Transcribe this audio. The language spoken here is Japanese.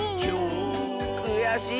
くやしい！